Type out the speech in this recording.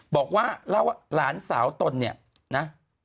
บอกว่าล้านสาวตนเนี่ยนะ